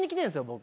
僕。